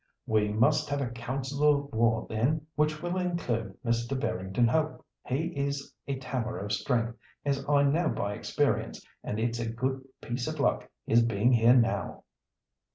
"We must have a council of war then, which will include Mr. Barrington Hope. He is a tower of strength, as I know by experience, and it's a piece of luck his being here now."